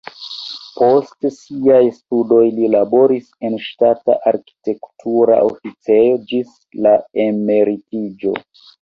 Post siaj studoj li laboris en ŝtata arkitektura oficejo ĝis la emeritiĝo.